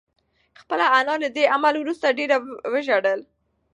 خپله انا له دې عمل وروسته ډېره وژړل.